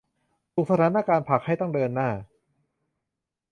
ถูกสถานการณ์ผลักให้ต้องเดินหน้า